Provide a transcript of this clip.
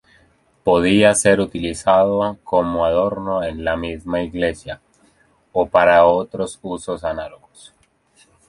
Podía ser utilizado como adorno para la misma iglesia, o para otros usos análogos.